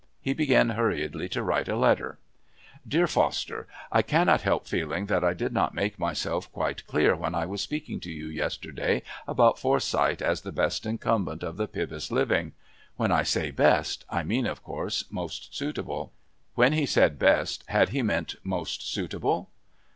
He began hurriedly to write a letter: DEAR FOSTER I cannot help feeling that I did not make myself quite clear when I was speaking to you yesterday about Forsyth as the best incumbent of the Pybus living. When I say best, I mean, of course, most suitable. When he said best did he mean _most suitable?